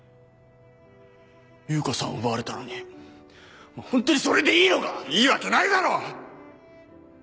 悠香さんを奪われたのにホントにそれでいいのか⁉いいわけないだろ‼